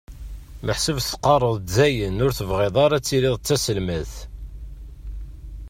Meḥsub teqqareḍ-d dayen ur tebɣiḍ ara tiliḍ d taselmadt?